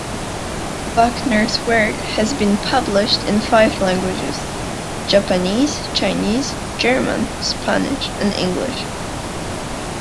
Buckner's work has been published in five languages: Japanese, Chinese, German, Spanish and English.